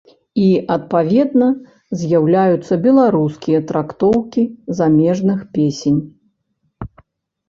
І, адпаведна, з'яўляюцца беларускія трактоўкі замежных песень.